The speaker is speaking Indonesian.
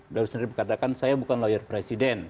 beliau sendiri mengatakan saya bukan lawyer presiden